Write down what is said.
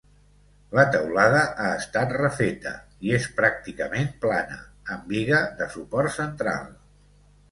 La teulada ha estat refeta, i és pràcticament plana, amb biga de suport central.